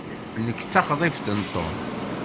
Nekk d taxḍibt n Tom.